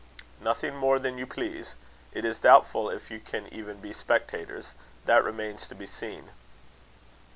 "Nothing more than you please. It is doubtful if you can even be spectators. That remains to be seen."